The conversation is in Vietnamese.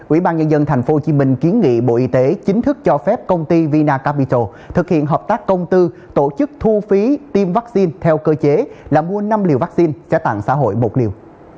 ủy ban nhân dân tp hcm kiến nghị bộ y tế chính thức cho phép công ty vina capital thực hiện hợp tác công tư tổ chức thu phí tiêm vaccine theo cơ chế là mua năm liều vaccine trả tặng xã hội một liều